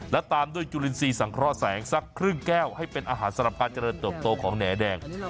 และตามด้วยจุลินทรีย์สังเคราะห์แสงสักครึ่งแก้วให้เป็นอาหารสำหรับการเจริญเติบโตของแหน่แดง